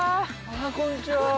あぁこんにちは！